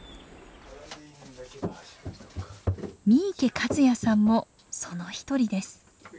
三池一矢さんもその一人です。